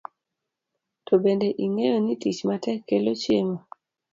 To bende ing'eyo ni tich matek kelo chiemo?